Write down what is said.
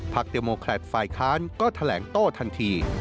ภาคเดมโมคลัดฝ่ายค้านก็แถลงโตทันที